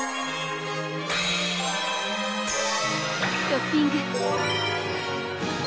トッピング！